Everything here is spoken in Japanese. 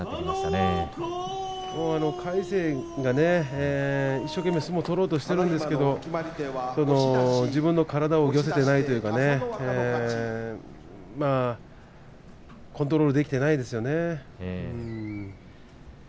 魁聖が一生懸命、相撲を取ろうとしているんですけれど自分の体を動かせていないというかコントロールできていないですね。